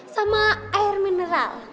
sama air mineral